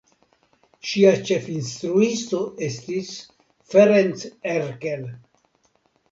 Ŝia ĉefinstruisto estis Ferenc Erkel.